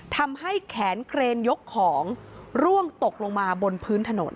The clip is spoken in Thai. ทำให้แขนเครนยกของร่วงตกลงมาบนพื้นถนน